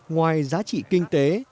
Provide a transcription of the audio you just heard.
ngoài giá trị kinh tế